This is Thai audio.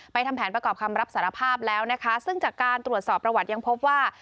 ทำแผนประกอบคำรับสารภาพแล้วนะคะซึ่งจากการตรวจสอบประวัติยังพบว่า